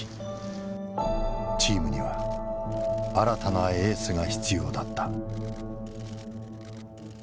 チームには新たなエースが必要だった。